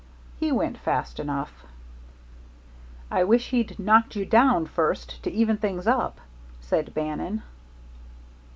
He went fast enough." "I wish he'd knocked you down first, to even things up," said Bannon.